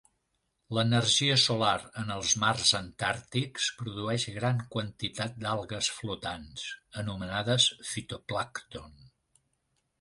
L'energia solar en els mars antàrtics produeix gran quantitat d'algues flotants, anomenades fitoplàncton.